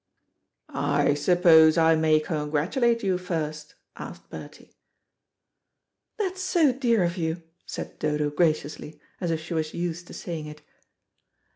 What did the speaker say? "I suppose I may congratulate you first?" asked Bertie. "That's so dear of you," said Dodo graciously, as if she was used to saying it.